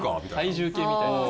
体重計みたいな。